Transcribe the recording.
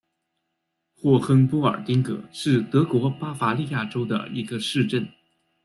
霍亨波尔丁格是德国巴伐利亚州的一个市镇。